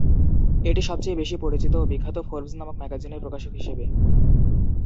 এটি সবচেয়ে বেশি পরিচিত ও বিখ্যাত "ফোর্বস" নামক ম্যাগাজিনের প্রকাশক হিসেবে।